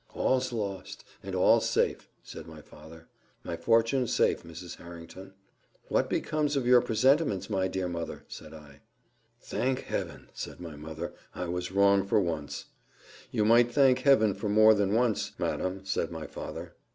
"All's lost and all's safe," said my father. "My fortune's safe, Mrs. Harrington." "What becomes of your presentiments, my dear mother?" said I. "Thank Heaven!" said my mother, "I was wrong for once." "You might thank Heaven for more than once, madam," said my father.